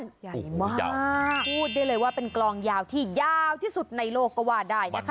งงงยาวมากคุณคุยได้เลยว่าเป็นกลองยาวที่ยาวที่สุดในโลกวาดได้นะคะ